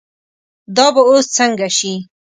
دا به اوس څنګه شي.